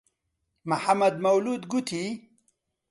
محەممەد مەولوود گوتی: